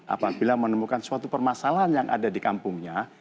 apabila menemukan suatu permasalahan yang ada di kampungnya